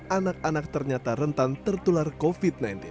anak anak ternyata rentan tertular covid sembilan belas